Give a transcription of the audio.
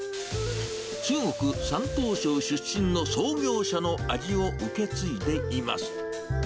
中国・山東省出身の創業者の味を受け継いでいます。